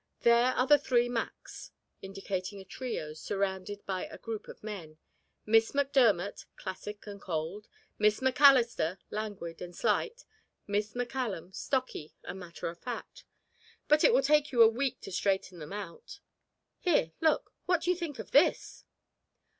There are the 'three Macs,'" indicating a trio surrounded by a group of men, "Miss McDermott, classic and cold; Miss McAllister, languid and slight; Miss McCullum, stocky and matter of fact. But it will take you a week to straighten them out. Here look what do you think of this?"